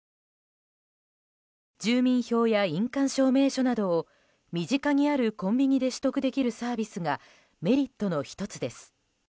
住民票や印鑑証明書などを身近にあるコンビニなどで取得できるサービスがメリットの１つです。